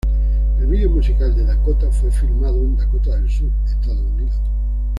El vídeo musical de "Dakota" fue filmado en Dakota del Sur, Estados Unidos.